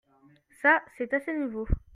Ça c'est assez nouveau.